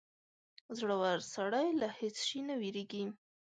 • زړور سړی له هېڅ شي نه وېرېږي.